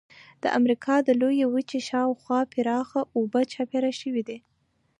د امریکا د لویې وچې شاو خوا پراخه اوبه چاپېره شوې دي.